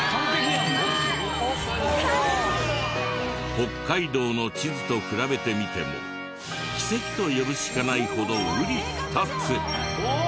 北海道の地図と比べてみても奇跡と呼ぶしかないほどうり二つ。